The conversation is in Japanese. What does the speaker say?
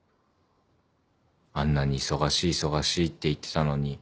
「あんなに忙しい忙しいって言ってたのに」